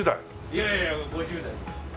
いやいや５０代です。